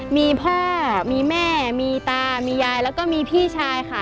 มีพ่อมีแม่มีตามียายแล้วก็มีพี่ชายค่ะ